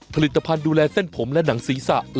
ผลิตภัณฑ์ดูแลเส้นผมและหนังศีรษะ